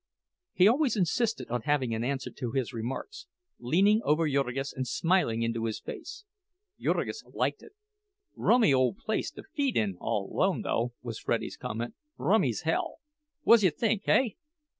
He always insisted on having an answer to his remarks, leaning over Jurgis and smiling into his face. Jurgis liked it. "Rummy ole place to feed in all 'lone, though," was Freddie's comment—"rummy's hell! Whuzya think, hey?"